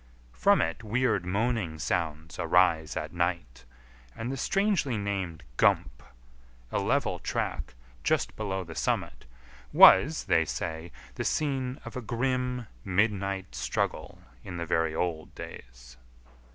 From it weird moaning sounds arise at night, and the strangely named Gump, a level track just below the summit, was, they say, the scene of a grim midnight struggle in the very old days.